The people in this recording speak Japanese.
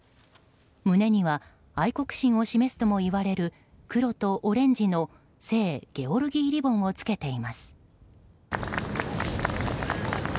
胸には愛国心を示すともいわれる黒とオレンジの聖ゲオルギーリボンを着けています。